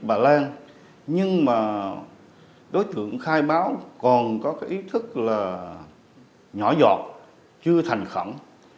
bà nguyễn thị thanh lan đã đối tượng giết người cướp tài sản của bà nguyễn thị thanh lan